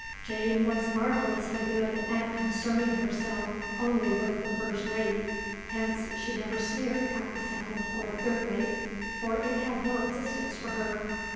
Jane was marvellously good at concerning herself only with the first rate; hence she never sneered at the second or third rate, for it had no existence for her.